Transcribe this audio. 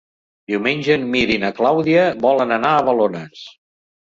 Diumenge en Mirt i na Clàudia volen anar a Balones.